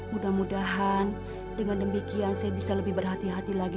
mudah mudahan dengan demikian saya bisa lebih berhati hati lagi